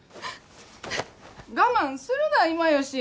我慢するな今吉。